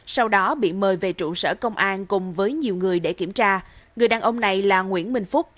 sau đó bị mời về trụ sở công an cùng với nhiều người để kiểm tra người đàn ông này là nguyễn minh phúc